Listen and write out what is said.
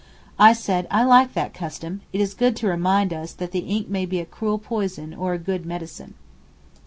I said 'I like that custom, it is good to remind us that ink may be a cruel poison or a good medicine.